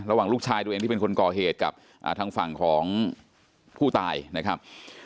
ลูกชายตัวเองที่เป็นคนก่อเหตุกับทางฝั่งของผู้ตายนะครับ